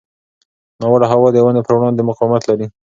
ناوړه هوا د ونو پر وړاندې مقاومت لري.